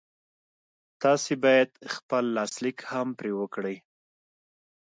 تاسې بايد خپل لاسليک هم پرې وکړئ.